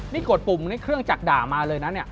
นี่กดปุ่มนี่เครื่องจักรด่ามาเลยนะเนี่ย